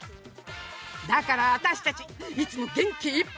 だから私たちいつも元気いっぱい！